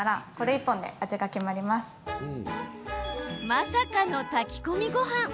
まさかの炊き込みごはん。